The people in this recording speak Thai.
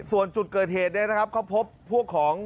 ส่วนจุดเกิดเหตุเนี่ยนะครับเขาพบพวกของ